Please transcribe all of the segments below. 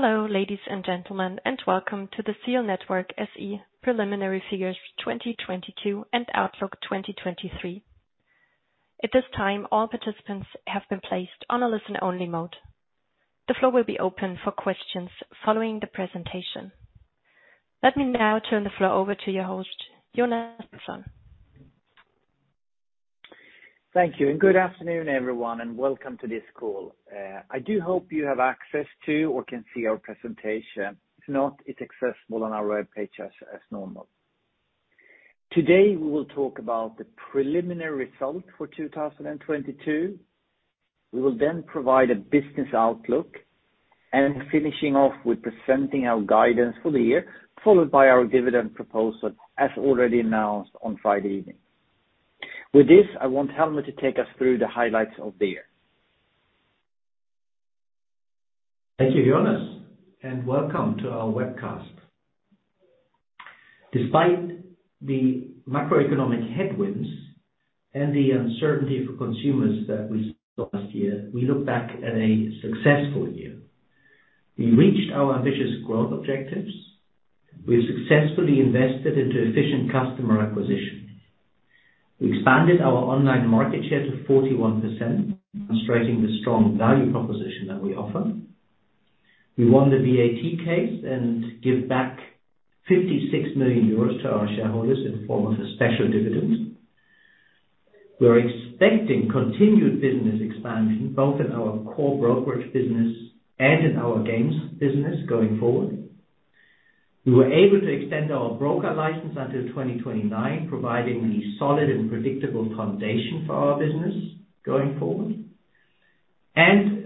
Hello, ladies and gentlemen, and welcome to the ZEAL Network SE preliminary figures 2022 and outlook 2023. At this time, all participants have been placed on a listen-only mode. The floor will be open for questions following the presentation. Let me now turn the floor over to your host, Jonas Mattsson. Thank you, good afternoon, everyone, and welcome to this call. I do hope you have access to or can see our presentation. If not, it's accessible on our webpage as normal. Today, we will talk about the preliminary results for 2022. We will then provide a business outlook and finishing off with presenting our guidance for the year, followed by our dividend proposal, as already announced on Friday evening. With this, I want Helmut to take us through the highlights of the year. Thank you, Jonas. Welcome to our webcast. Despite the macroeconomic headwinds and the uncertainty for consumers that we saw last year, we look back at a successful year. We reached our ambitious growth objectives. We successfully invested into efficient customer acquisition. We expanded our online market share to 41%, demonstrating the strong value proposition that we offer. We won the VAT case and give back 56 million euros to our shareholders in the form of a special dividend. We are expecting continued business expansion, both in our core brokerage business and in our games business going forward. We were able to extend our broker license until 2029, providing a solid and predictable foundation for our business going forward.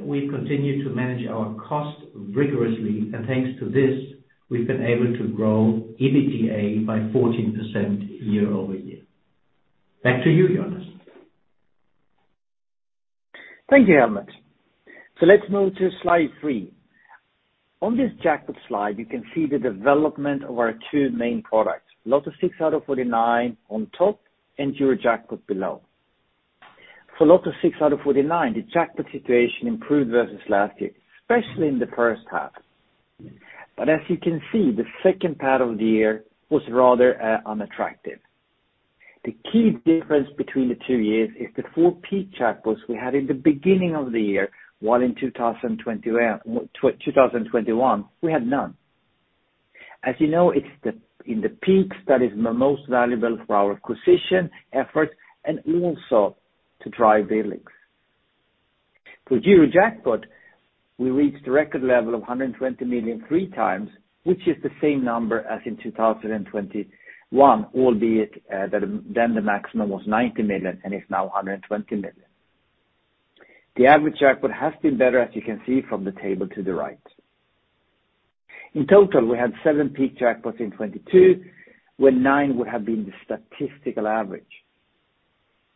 We continue to manage our cost rigorously. Thanks to this, we've been able to grow EBITDA by 14% year-over-year. Back to you, Jonas. Thank you, Helmut. Let's move to slide three. On this jackpot slide, you can see the development of our two main products, LOTTO 6aus49 on top and Eurojackpot below. For LOTTO 6aus49, the jackpot situation improved versus last year, especially in the first half. As you can see, the second part of the year was rather unattractive. The key difference between the two years is the four peak jackpots we had in the beginning of the year. While in 2021, we had none. As you know, in the peaks that is the most valuable for our acquisition efforts and also to drive billings. For Eurojackpot, we reached a record level of 120 million three times, which is the same number as in 2021, albeit, then the maximum was 90 million and is now 120 million. The average jackpot has been better, as you can see from the table to the right. In total, we had seven peak jackpots in 2022, where nine would have been the statistical average.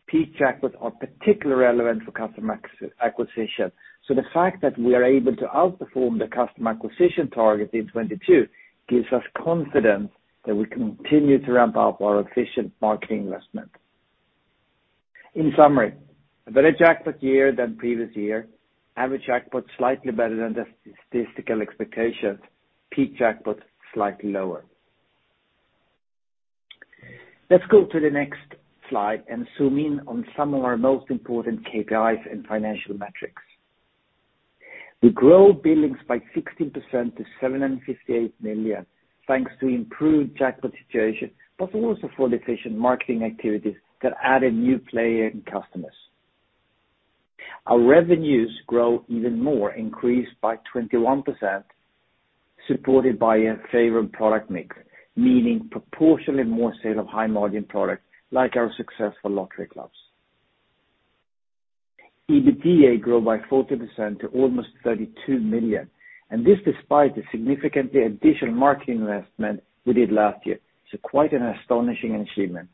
Peak jackpots are particularly relevant for customer acquisition. The fact that we are able to outperform the customer acquisition target in 2022 gives us confidence that we continue to ramp up our efficient marketing investment. In summary, a better jackpot year than previous year. Average jackpot is slightly better than the statistical expectations. Peak jackpot, slightly lower. Let's go to the next slide and zoom in on some of our most important KPIs and financial metrics. We grow billings by 16% to 758 million, thanks to improved jackpot situation, but also for the efficient marketing activities that added new player and customers. Our revenues grow even more, increased by 21%, supported by a favored product mix, meaning proportionally more sale of high-margin products like our successful lottery clubs. EBITDA grow by 40% to almost 32 million, and this despite the significant additional marketing investment we did last year. Quite an astonishing achievement.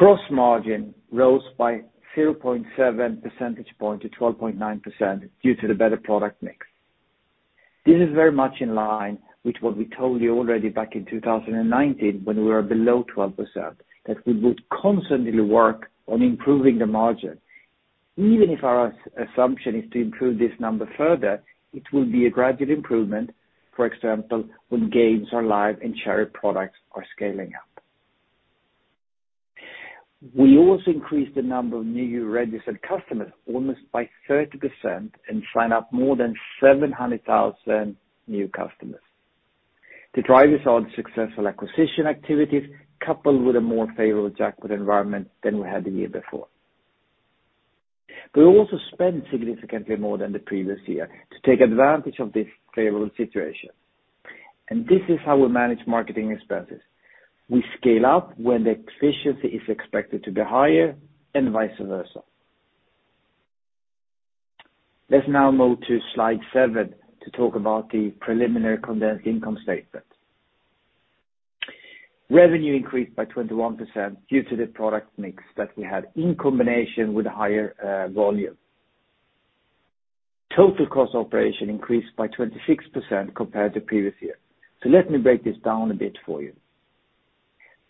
Gross margin rose by 0.7 percentage points to 12.9% due to the better product mix. This is very much in line with what we told you already back in 2019 when we were below 12%, that we would constantly work on improving the margin. Even if our assumption is to improve this number further, it will be a gradual improvement, for example, when games are live and shared products are scaling up. We also increased the number of new registered customers almost by 30% and sign up more than 700,000 new customers. The drivers are the successful acquisition activities, coupled with a more favorable jackpot environment than we had the year before. We also spent significantly more than the previous year to take advantage of this favorable situation. This is how we manage marketing expenses. We scale up when the efficiency is expected to be higher and vice versa. Let's now move to slide seven to talk about the preliminary condensed income statement. Revenue increased by 21% due to the product mix that we had in combination with higher volume. Total cost operation increased by 26% compared to previous year. Let me break this down a bit for you.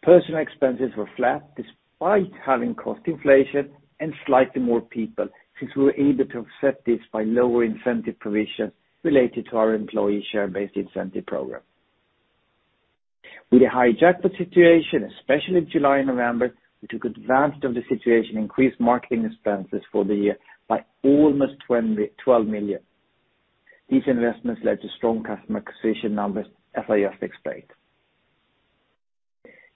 Personal expenses were flat despite having cost inflation and slightly more people, since we were able to offset this by lower incentive provisions related to our employee share-based incentive program. With a high jackpot situation, especially July and November, we took advantage of the situation, increased marketing expenses for the year by almost 12 million. These investments led to strong customer acquisition numbers, as I have explained.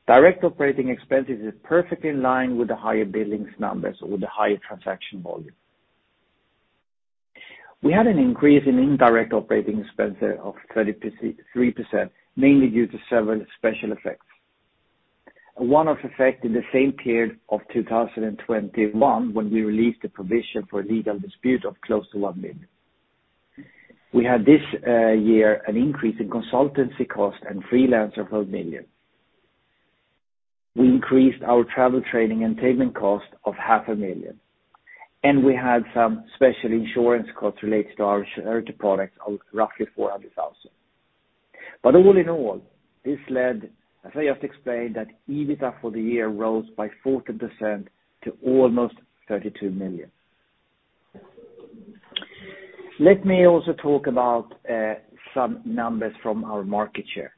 Direct operating expenses is perfectly in line with the higher billings numbers or the higher transaction volume. We had an increase in indirect operating expenses of 3%, mainly due to several special effects. A one-off effect in the same period of 2021 when we released the provision for a legal dispute of close to 1 million. We had this year an increase in consultancy cost and freelancer of 1 million. We increased our travel, training, and payment cost of half a million EUR, and we had some special insurance costs related to our charity products of roughly 400,000. All in all, this led, as I have explained, that EBITDA for the year rose by 14% to almost EUR 32 million. Let me also talk about some numbers from our market share.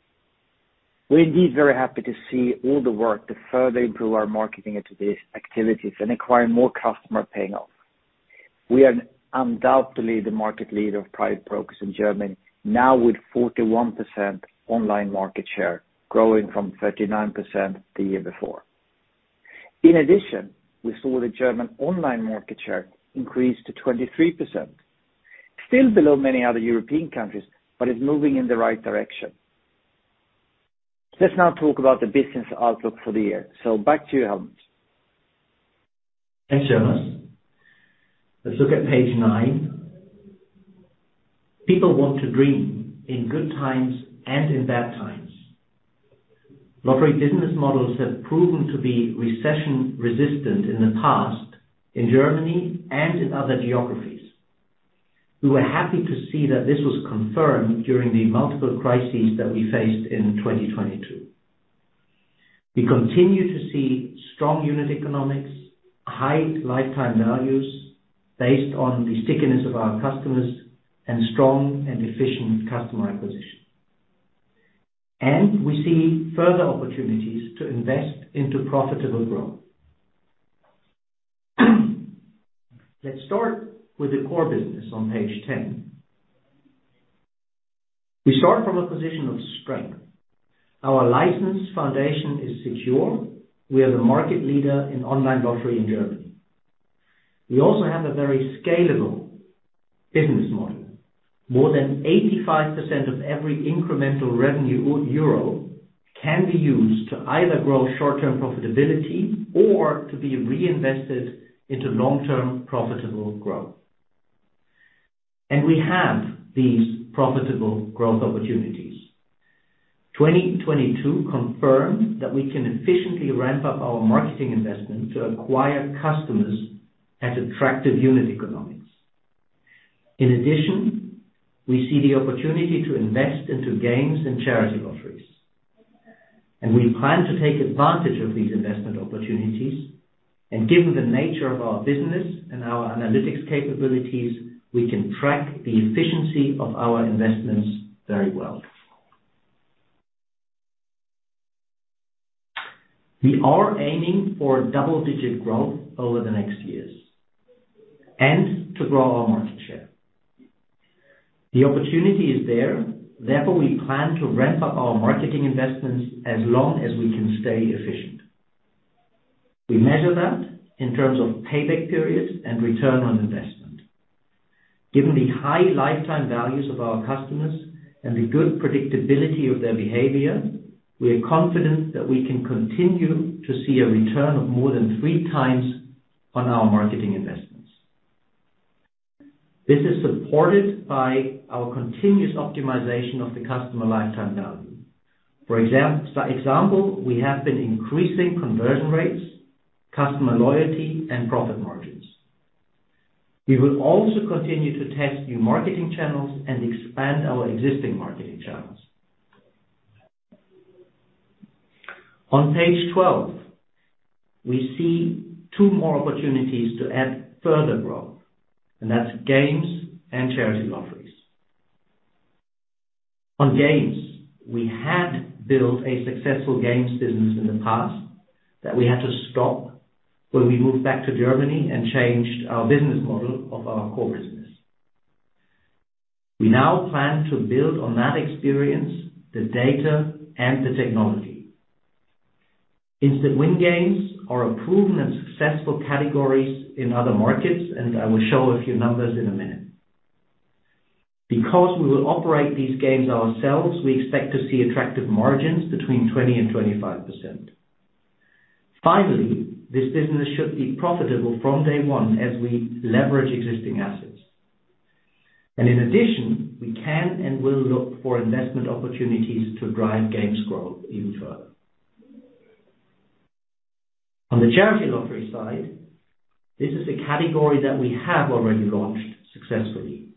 We're indeed very happy to see all the work to further improve our marketing activities and acquire more customer paying off. We are undoubtedly the market leader of private brokers in Germany, now with 41% online market share, growing from 39% the year before. We saw the German online market share increase to 23%. Still below many other European countries, it's moving in the right direction. Let's now talk about the business outlook for the year. Back to you, Helmut. Thanks, Jonas. Let's look at page nine. People want to dream in good times and in bad times. Lottery business models have proven to be recession-resistant in the past, in Germany and in other geographies. We were happy to see that this was confirmed during the multiple crises that we faced in 2022. We continue to see strong unit economics, high lifetime values based on the stickiness of our customers, and strong and efficient customer acquisition. We see further opportunities to invest into profitable growth. Let's start with the core business on page 10. We start from a position of strength. Our license foundation is secure. We are the market leader in online lottery in Germany. We also have a very scalable business model. More than 85% of every incremental revenue or euro can be used to either grow short-term profitability or to be reinvested into long-term profitable growth. We have these profitable growth opportunities. 2022 confirmed that we can efficiently ramp up our marketing investment to acquire customers at attractive unit economics. In addition, we see the opportunity to invest into games and charity lotteries, and we plan to take advantage of these investment opportunities. Given the nature of our business and our analytics capabilities, we can track the efficiency of our investments very well. We are aiming for double-digit growth over the next years and to grow our market share. The opportunity is there. Therefore, we plan to ramp up our marketing investments as long as we can stay efficient. We measure that in terms of payback periods and return on investment. Given the high lifetime values of our customers and the good predictability of their behavior, we are confident that we can continue to see a return of more than three times on our marketing investments. This is supported by our continuous optimization of the customer lifetime value. For example, we have been increasing conversion rates, customer loyalty, and profit margins. We will also continue to test new marketing channels and expand our existing marketing channels. On page 12, we see two more opportunities to add further growth, and that's games and charity lotteries. On games, we had built a successful games business in the past that we had to stop when we moved back to Germany and changed our business model of our core business. We now plan to build on that experience, the data, and the technology. Instant win games are a proven and successful categories in other markets. I will show a few numbers in a minute. Because we will operate these games ourselves, we expect to see attractive margins between 20% and 25%. Finally, this business should be profitable from day one as we leverage existing assets. In addition, we can and will look for investment opportunities to drive games growth even further. On the charity lottery side, this is a category that we have already launched successfully.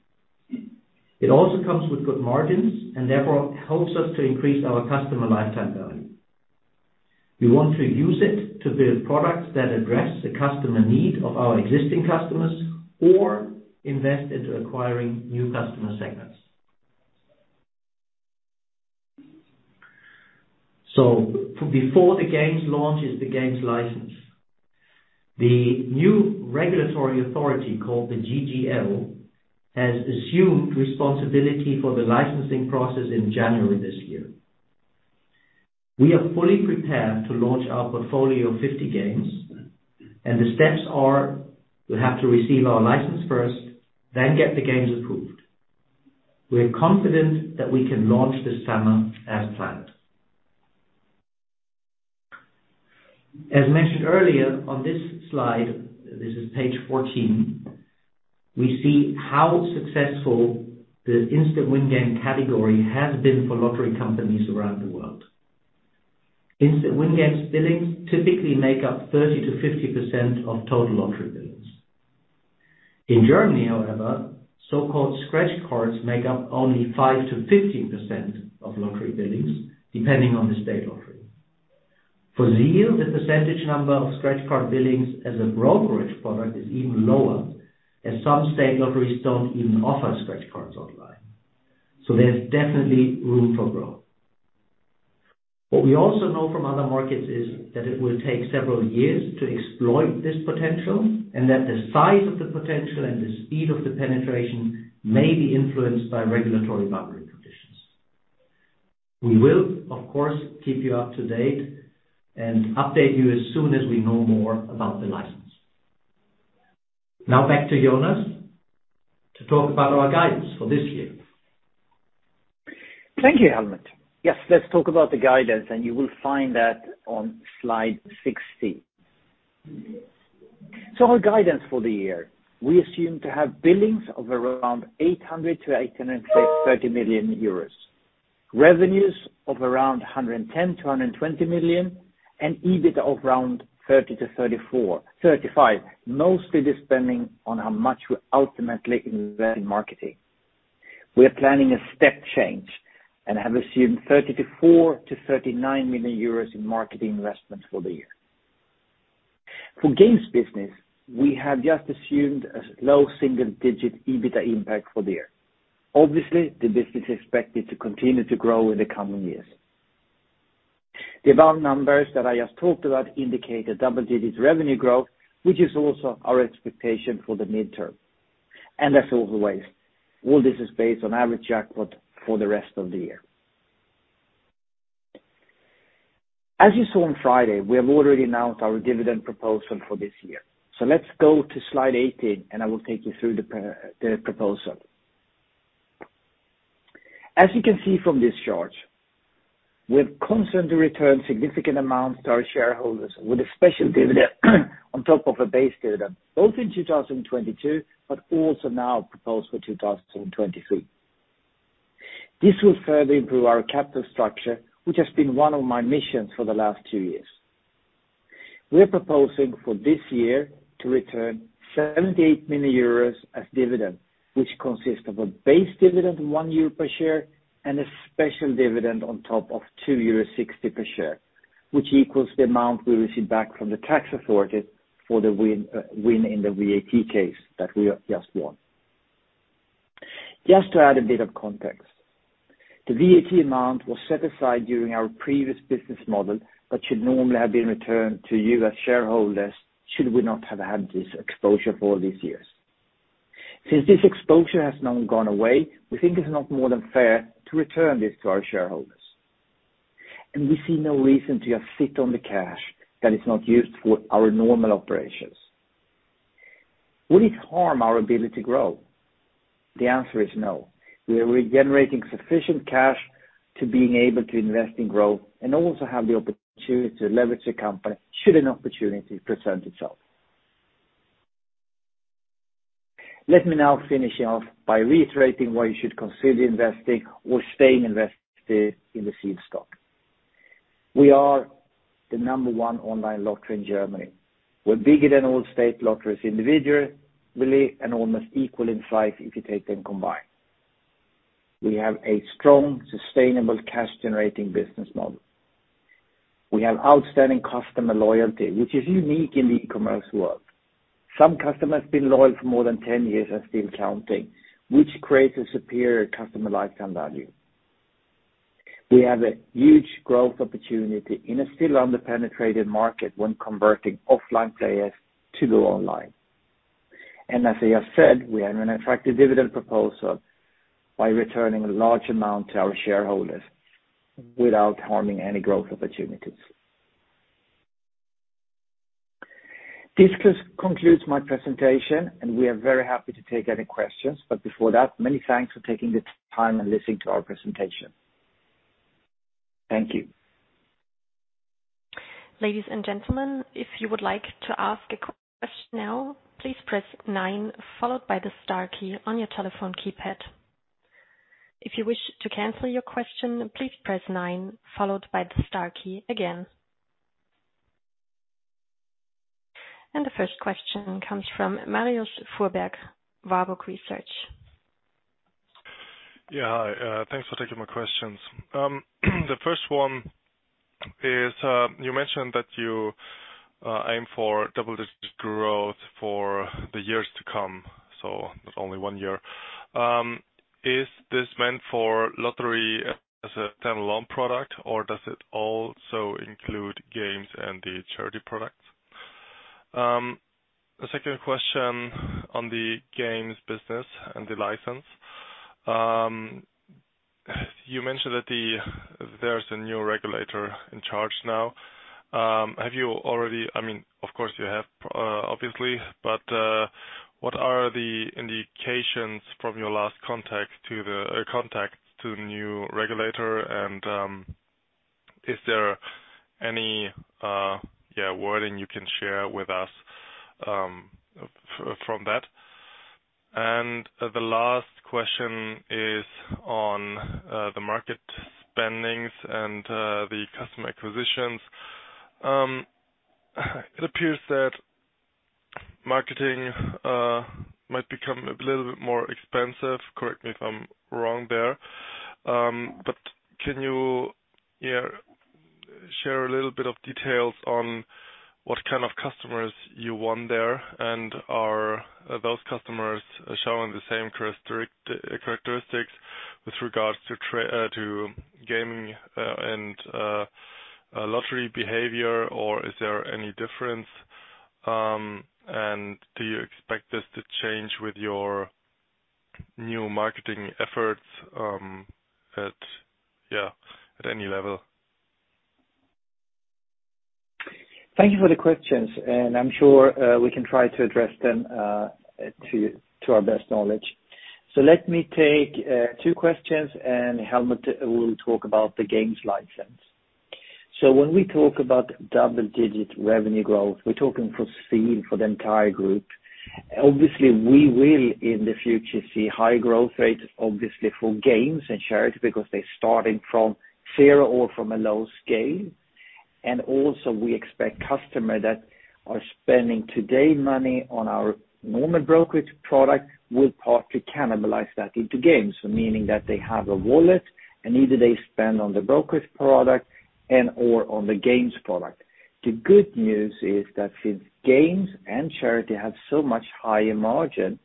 It also comes with good margins and therefore helps us to increase our customer lifetime value. We want to use it to build products that address the customer need of our existing customers or invest into acquiring new customer segments. Before the games launches the games license, the new regulatory authority, called the GGL, has assumed responsibility for the licensing process in January this year. We are fully prepared to launch our portfolio of 50 games, and the steps are we have to receive our license first, then get the games approved. We're confident that we can launch this summer as planned. As mentioned earlier on this slide, this is page 14, we see how successful the instant win game category has been for lottery companies around the world. Instant win games billings typically make up 30%-50% of total lottery billings. In Germany, however, so-called scratch cards make up only 5%-15% of lottery billings, depending on the state lottery. For ZEAL, the percentage number of scratch card billings as a brokerage product is even lower, as some state lotteries don't even offer scratch cards online. There's definitely room for growth. What we also know from other markets is that it will take several years to exploit this potential and that the size of the potential and the speed of the penetration may be influenced by regulatory boundary conditions. We will, of course, keep you up to date and update you as soon as we know more about the license. Now back to Jonas to talk about our guidance for this year. Thank you, Helmut. Let's talk about the guidance, and you will find that on slide 16. Our guidance for the year. We assume to have billings of around 800 million-860 million euros, revenues of around 110 million-120 million, and EBIT of around 30 million-35 million, mostly depending on how much we ultimately invest in marketing. We are planning a step change and have assumed 34 million-39 million euros in marketing investments for the year. For games business, we have just assumed a low single-digit EBIT impact for the year. Obviously, the business is expected to continue to grow in the coming years. The above numbers that I just talked about indicate a double-digit revenue growth, which is also our expectation for the mid-term. As always, all this is based on average jackpot for the rest of the year. As you saw on Friday, we have already announced our dividend proposal for this year. Let's go to slide 18, and I will take you through the proposal. As you can see from this chart, we've constantly returned significant amounts to our shareholders with a special dividend on top of a base dividend, both in 2022, but also now proposed for 2023. This will further improve our capital structure, which has been one of my missions for the last two years. We are proposing for this year to return 78 million euros as dividend, which consists of a base dividend, 1 euro per share, and a special dividend on top of 2.60 euros per share, which equals the amount we receive back from the tax authority for the win in the VAT case that we have just won. Just to add a bit of context. The VAT amount was set aside during our previous business model. Should normally have been returned to you as shareholders should we not have had this exposure for all these years. This exposure has now gone away, we think it's not more than fair to return this to our shareholders. We see no reason to just sit on the cash that is not used for our normal operations. Would it harm our ability to grow? The answer is no. We are regenerating sufficient cash to being able to invest in growth and also have the opportunity to leverage the company should an opportunity present itself. Let me now finish off by reiterating why you should consider investing or staying invested in the ZEAL stock. We are the number one online lottery in Germany. We're bigger than all state lotteries individually and almost equal in size if you take them combined. We have a strong, sustainable cash-generating business model. We have outstanding customer loyalty, which is unique in the e-commerce world. Some customers have been loyal for more than 10 years and still counting, which creates a superior customer lifetime value. We have a huge growth opportunity in a still under-penetrated market when converting offline players to go online. As I have said, we have an attractive dividend proposal by returning a large amount to our shareholders without harming any growth opportunities. This concludes my presentation, and we are very happy to take any questions. Before that, many thanks for taking the time and listening to our presentation. Thank you. Ladies and gentlemen, if you would like to ask a question now, please press nine followed by the star key on your telephone keypad. If you wish to cancel your question, please press nine followed by the star key again. The first question comes from Marius Fuhrberg, Warburg Research. Yeah. Hi, thanks for taking my questions. The first one is, you mentioned that you aim for double-digit growth for the years to come, so not only one year. Is this meant for lottery as a standalone product, or does it also include games and the charity products? The second question on the games business and the license. You mentioned that there's a new regulator in charge now. Have you already I mean, of course, you have obviously, but what are the indications from your last contact to the new regulator and is there any yeah, wording you can share with us from that? The last question is on the market spendings and the customer acquisitions. It appears that marketing might become a little bit more expensive. Correct me if I'm wrong there. Can you share a little bit of details on what kind of customers you want there, and are those customers showing the same characteristics with regards to to gaming, and lottery behavior? Is there any difference, and do you expect this to change with your new marketing efforts, at any level? Thank you for the questions, and I'm sure we can try to address them to our best knowledge. Let me take two questions, and Helmut will talk about the games license. When we talk about double-digit revenue growth, we're talking for ZEAL for the entire group. Obviously, we will, in the future, see high growth rates, obviously for games and charity, because they're starting from zero or from a low scale. Also we expect customer that are spending today money on our normal brokerage product will partly cannibalize that into games. Meaning that they have a wallet, and either they spend on the brokerage product and/or on the games product. The good news is that since games and charity have so much higher margin,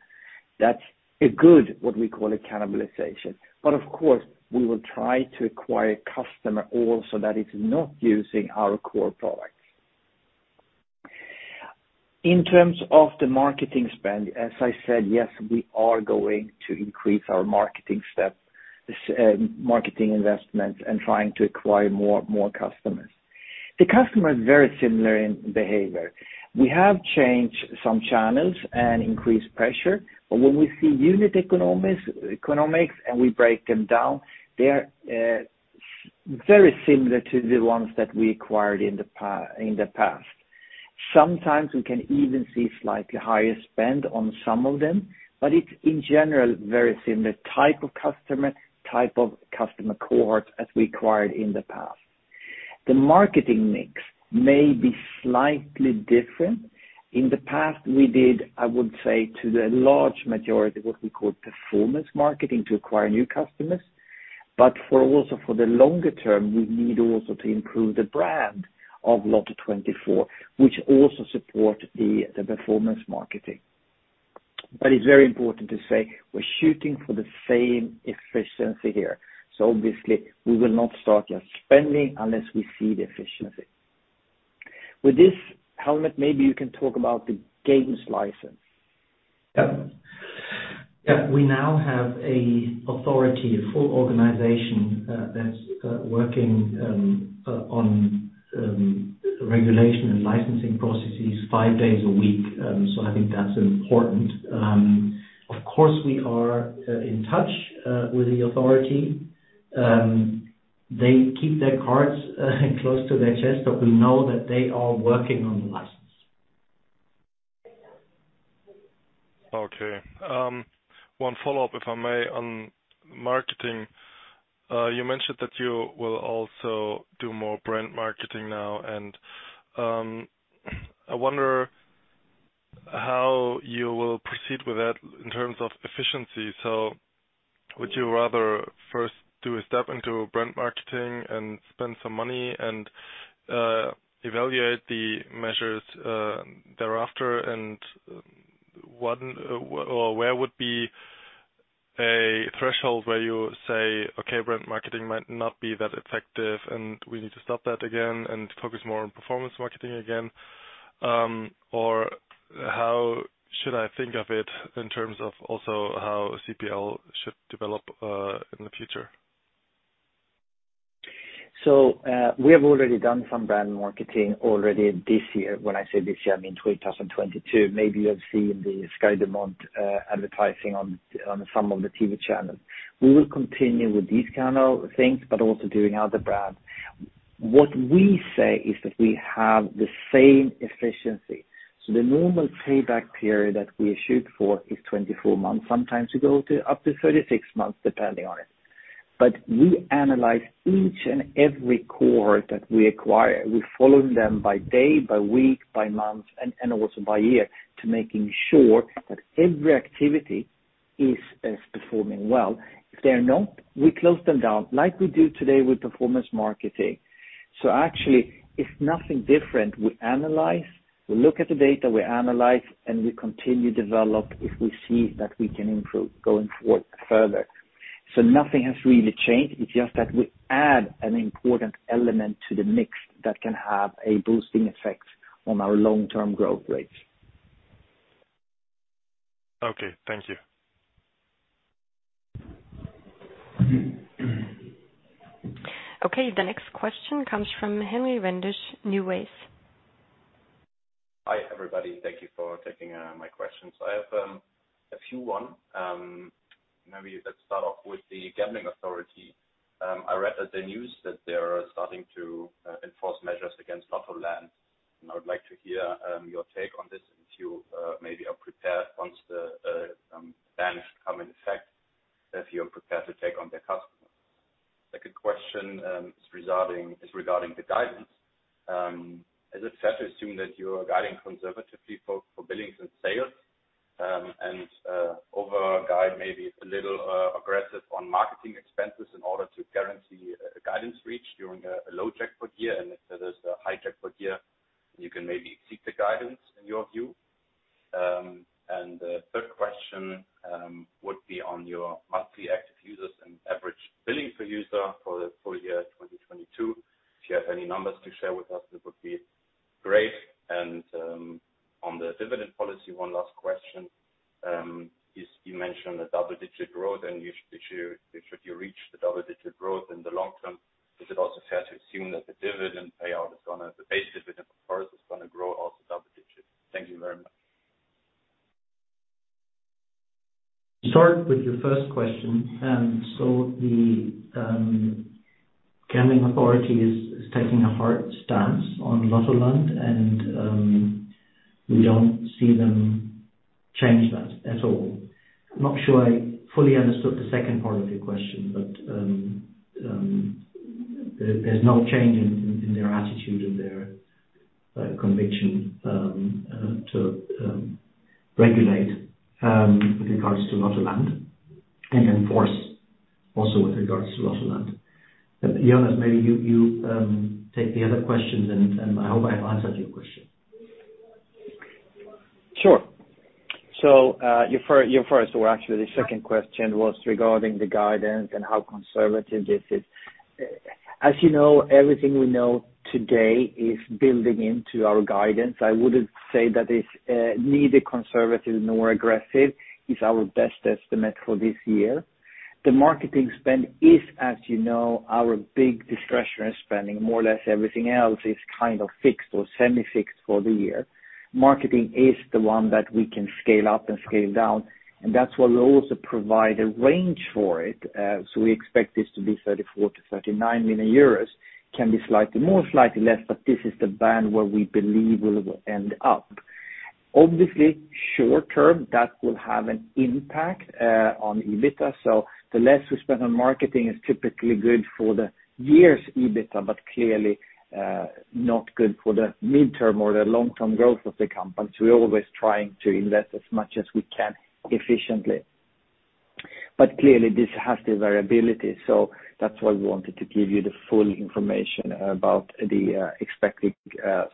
that's a good, what we call a cannibalization. Of course, we will try to acquire customer also that is not using our core products. In terms of the marketing spend, as I said, yes, we are going to increase our marketing investments and trying to acquire more customers. The customer is very similar in behavior. We have changed some channels and increased pressure, but when we see unit economics and we break them down, they are very similar to the ones that we acquired in the past. Sometimes we can even see slightly higher spend on some of them, but it's in general very similar type of customer cohort as we acquired in the past. The marketing mix may be slightly different. In the past, we did, I would say, to the large majority, what we call performance marketing to acquire new customers. For also for the longer term, we need also to improve the brand of Lotto24, which also support the performance marketing. It's very important to say we're shooting for the same efficiency here. Obviously we will not start just spending unless we see the efficiency. With this, Helmut, maybe you can talk about the games license. Yeah. Yeah. We now have a authority, a full organization, that's working on regulation and licensing processes five days a week. I think that's important. Of course, we are in touch with the authority. They keep their cards close to their chest, but we know that they are working on the license. Okay. One follow-up, if I may, on marketing. You mentioned that you will also do more brand marketing now, and I wonder how you will proceed with that in terms of efficiency. Would you rather first do a step into brand marketing and spend some money and evaluate the measures thereafter? Or where would be a threshold where you say, "Okay, brand marketing might not be that effective, and we need to stop that again and focus more on performance marketing again." Or how should I think of it in terms of also how CPL should develop in the future? We have already done some brand marketing already this year. When I say this year, I mean 2022. Maybe you have seen the Sky du Mont advertising on some of the TV channels. We will continue with these kind of things, but also doing other brand. What we say is that we have the same efficiency. The normal payback period that we shoot for is 24 months. Sometimes we go to up to 36 months, depending on it. We analyze each and every cohort that we acquire. We follow them by day, by week, by month, and also by year to making sure that every activity is performing well. If they are not, we close them down like we do today with performance marketing. Actually it's nothing different. We analyze, we look at the data, we analyze, we continue to develop if we see that we can improve going forward further. Nothing has really changed, it's just that we add an important element to the mix that can have a boosting effect on our long-term growth rates. Okay, thank you. Okay, the next question comes from Henry Wendisch, NuWays. Hi, everybody. Thank you for taking my question. I have a few one. Maybe let's start off with the gambling authority. I read at the news that they are starting to enforce measures against Lottoland, and I would like to hear your take on this if you maybe are prepared once the bans come in effect, if you're prepared to take on their customers. Second question is regarding the guidance. Is it fair to assume that you are guiding conservatively for billings and sales, and over guide maybe a little aggressive on marketing expenses in order to guarantee a guidance reach during a low jackpot year and if there's a high jackpot year, you can maybe seek the guidance in your view? The third question would be on your monthly active users and average billing per user for the full year 2022. If you have any numbers to share with us, it would be great. On the dividend policy, one last question. Is you mentioned a double-digit growth, and should you reach the double-digit growth in the long term, is it also fair to assume that the dividend payout the base dividend per share is gonna grow also double digits? Thank you very much. Start with your first question. The gambling authority is taking a hard stance on Lottoland and we don't see them change that at all. I'm not sure I fully understood the second part of your question, but there's no change in their attitude or their conviction to regulate with regards to Lottoland and enforce also with regards to Lottoland. Jonas, maybe you take the other questions. I hope I answered your question. Sure. Your first or actually the second question was regarding the guidance and how conservative this is. As you know, everything we know today is building into our guidance. I wouldn't say that it's neither conservative nor aggressive. It's our best estimate for this year. The marketing spend is, as you know, our big discretionary spending. More or less everything else is kind of fixed or semi-fixed for the year. Marketing is the one that we can scale up and scale down, and that's why we also provide a range for it. We expect this to be 34 million-39 million euros. Can be slightly more, slightly less, but this is the band where we believe we'll end up. Obviously, short term, that will have an impact on EBITDA. The less we spend on marketing is typically good for the year's EBITDA, but clearly, not good for the midterm or the long-term growth of the company. We're always trying to invest as much as we can efficiently. Clearly this has the variability, so that's why we wanted to give you the full information about the expected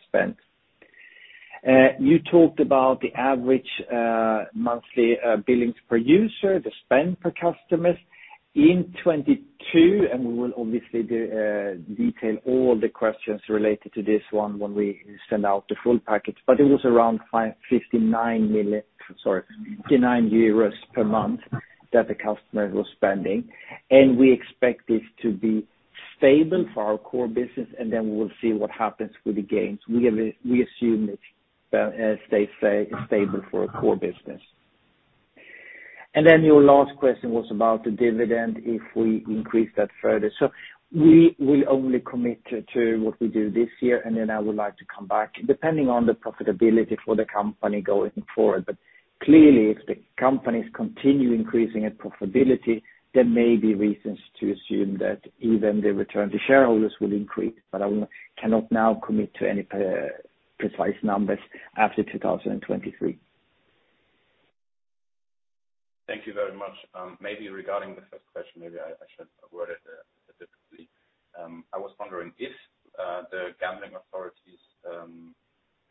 spend. You talked about the average monthly billings per user, the spend per customers in 2022, and we will obviously do detail all the questions related to this one when we send out the full package, but it was around 59 million, sorry, 59 euros per month that the customer was spending. We expect this to be stable for our core business, and then we will see what happens with the gains. We assume it's stable for our core business. Your last question was about the dividend, if we increase that further. We will only commit to what we do this year, and then I would like to come back depending on the profitability for the company going forward. Clearly, if the companies continue increasing its profitability, there may be reasons to assume that even the return to shareholders will increase. I cannot now commit to any precise numbers after 2023. Thank you very much. Maybe regarding the first question, maybe I should word it specifically. I was wondering if the gambling authorities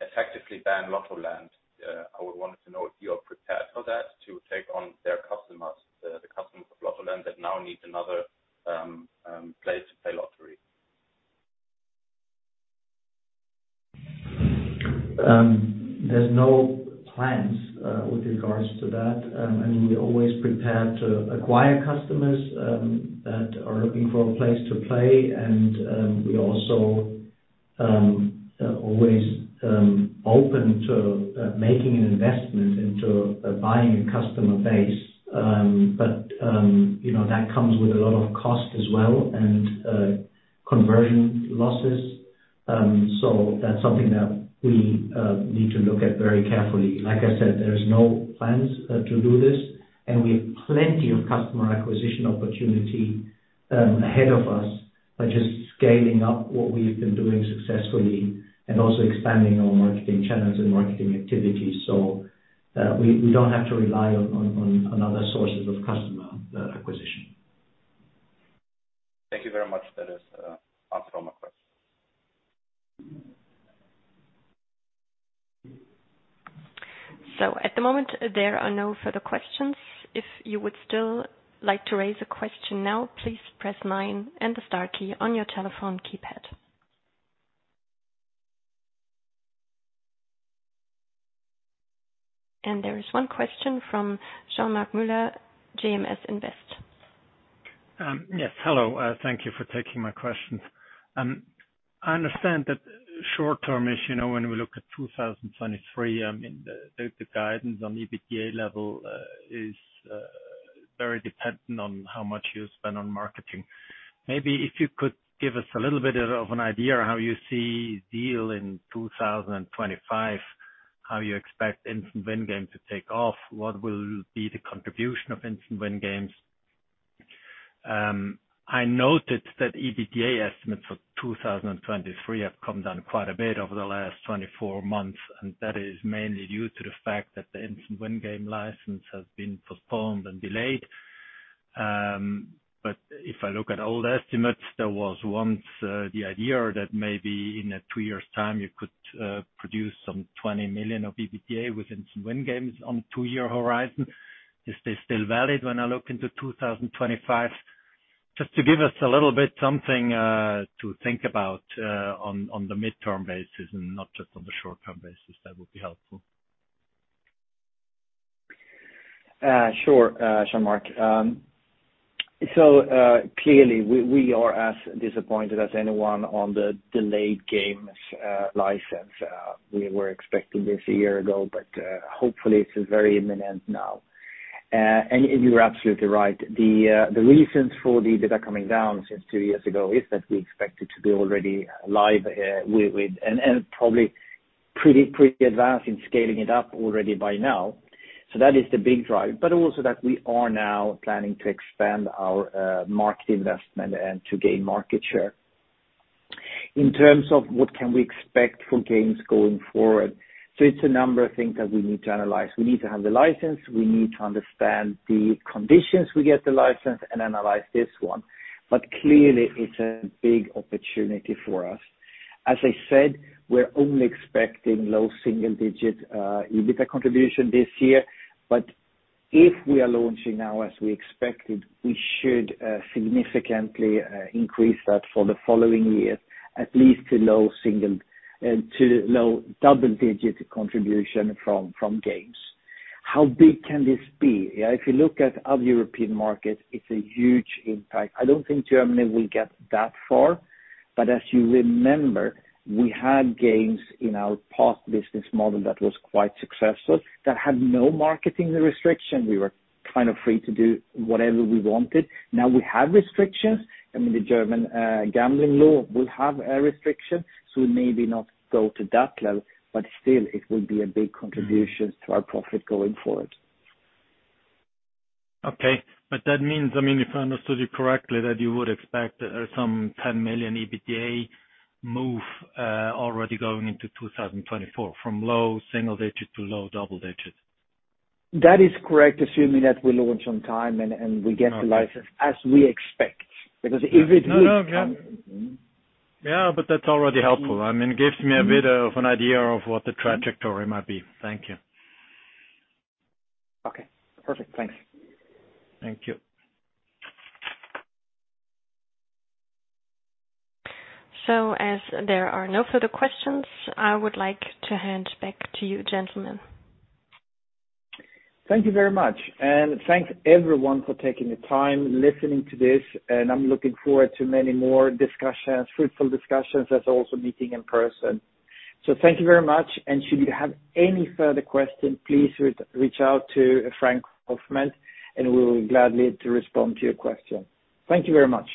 effectively ban Lottoland, I would want to know if you are prepared for that to take on their customers, the customers of Lottoland that now need another place to play lottery. There's no plans, with regards to that. I mean, we're always prepared to acquire customers, that are looking for a place to play, and, we also. Always open to making an investment into buying a customer base. You know, that comes with a lot of cost as well and conversion losses. That's something that we need to look at very carefully. Like I said, there's no plans to do this, and we have plenty of customer acquisition opportunity ahead of us by just scaling up what we've been doing successfully and also expanding our marketing channels and marketing activities. We don't have to rely on other sources of customer acquisition. Thank you very much. That has answered all my questions. At the moment, there are no further questions. If you would still like to raise a question now, please press nine and the star key on your telephone keypad. There is one question from Jean-Marc Mueller, JMS Invest. Yes. Hello. Thank you for taking my questions. I understand that short term is, when we look at 2023, the guidance on EBITDA level is very dependent on how much you spend on marketing. Maybe if you could give us a little bit of an idea how you see ZEAL in 2025, how you expect instant win games to take off? What will be the contribution of instant win games? I noted that EBITDA estimates for 2023 have come down quite a bit over the last 24 months, and that is mainly due to the fact that the instant win game license has been postponed and delayed. If I look at old estimates, there was once the idea that maybe in a two years time you could produce some 20 million of EBITDA with instant win games on two-year horizon. Is this still valid when I look into 2025? Just to give us a little bit something to think about on the midterm basis and not just on the short term basis, that would be helpful. Sure, Jean-Marc. Clearly we are as disappointed as anyone on the delayed games license. We were expecting this a year ago, but hopefully it's very imminent now. You're absolutely right. The reasons for the data coming down since two years ago is that we expect it to be already live. And probably pretty advanced in scaling it up already by now. That is the big drive, but also that we are now planning to expand our market investment and to gain market share. In terms of what can we expect for games going forward. It's a number of things that we need to analyze. We need to have the license, we need to understand the conditions we get the license and analyze this one. Clearly it's a big opportunity for us. As I said, we're only expecting low single digit EBITDA contribution this year. If we are launching now as we expected, we should significantly increase that for the following years, at least to low single- to low double digit contribution from games. How big can this be? If you look at other European markets, it's a huge impact. I don't think Germany will get that far, but as you remember, we had games in our past business model that was quite successful, that had no marketing restriction. We were kind of free to do whatever we wanted. Now we have restrictions, I mean, the German gambling law will have a restriction, so we maybe not go to that level, but still it will be a big contribution to our profit going forward. Okay. That means, I mean, if I understood you correctly, that you would expect, 10 million EBITDA move, already going into 2024 from low single digits to low double digits. That is correct, assuming that we launch on time and we get the license as we expect. No, no. Yeah. Yeah, that's already helpful. I mean, it gives me a bit of an idea of what the trajectory might be. Thank you. Okay, perfect. Thanks. Thank you. As there are no further questions, I would like to hand back to you, gentlemen. Thank you very much, and thanks everyone for taking the time listening to this, and I'm looking forward to many more discussions, fruitful discussions as also meeting in person. Thank you very much, and should you have any further questions, please re-reach out to Frank Hoffmann, and we will gladly to respond to your question. Thank you very much.